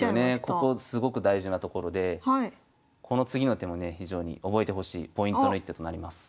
ここすごく大事なところでこの次の手もね非常に覚えてほしいポイントの一手となります。